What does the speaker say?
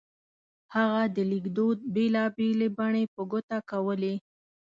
هغه د لیکدود بېلا بېلې بڼې په ګوته کولې.